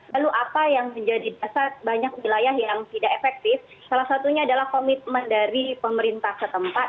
lalu apa yang menjadi dasar banyak wilayah yang tidak efektif salah satunya adalah komitmen dari pemerintah setempat